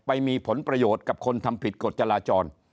ไปมีผลประโยชน์กับคนทำผิดกฎจราจร